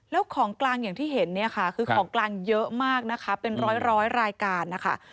แล้วของกลางอย่างที่เห็นเนี่ยค่ะคือของกลางเยอะมากนะคะเป็นร้อยรายการนะคะ